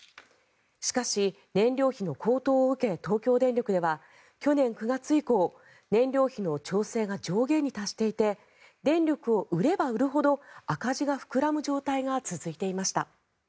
しかし、燃料費の高騰を受け東京電力では去年９月以降燃料費の調整が上限に達していて電力を売れば売るほど赤字が膨らむ状態が続いていました。